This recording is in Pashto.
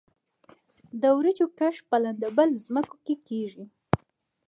د وریجو کښت په لندبل ځمکو کې کیږي.